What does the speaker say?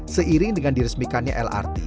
seiring dengan diresmikannya lrt